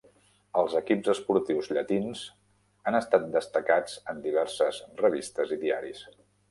Els equips esportius llatins han estat destacats en diverses revistes i diaris.